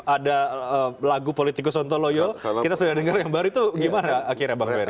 ada lagu politikus sontoloyo kita sudah dengar yang baru itu gimana akhirnya bang ferry